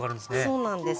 そうなんです。